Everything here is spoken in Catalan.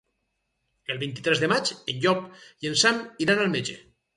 El vint-i-tres de maig en Llop i en Sam iran al metge.